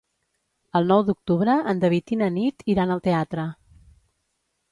El nou d'octubre en David i na Nit iran al teatre.